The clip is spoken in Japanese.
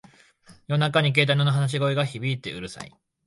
夜中に携帯の話し声が響いてうるさい